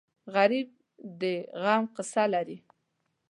غریب د غم قصه لري